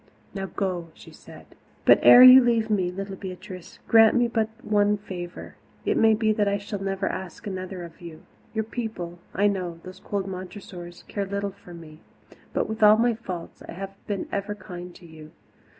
"Now go," she said. "But ere you leave me, little Beatrice, grant me but the one favour it may be that I shall never ask another of you. Your people, I know those cold Montressors care little for me, but with all my faults, I have ever been kind to you.